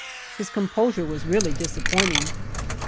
His composure was really disappointing!